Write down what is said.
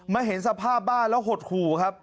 เห็นสภาพบ้านแล้วหดหู่ครับ